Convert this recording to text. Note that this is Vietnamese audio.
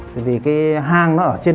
tại vì cái hang nó ở trên